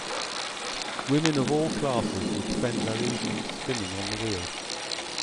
Women of all classes would spend their evenings spinning on the wheel.